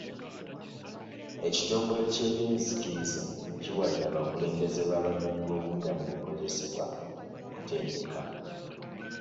Ekitongole ky'ebyenzikiriza kiwadde abakulembeze b'abanoonyi b'obubudamu ebikozesebwa mu kutendeka.